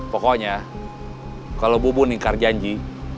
pokoknya kalau bubu nikar janji